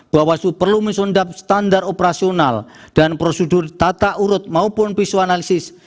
bawaslu perlu mensundap standar operasional dan prosedur tata urut maupun visual analisis